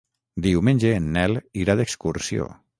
Diumenge en Nel irà d'excursió.